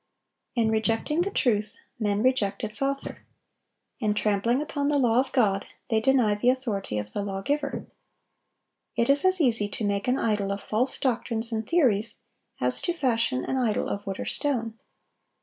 In rejecting the truth, men reject its Author. In trampling upon the law of God, they deny the authority of the Lawgiver. It is as easy to make an idol of false doctrines and theories as to fashion an idol of wood or stone.